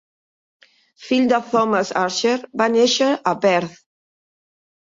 Fill de Thomas Archer, va néixer a Perth.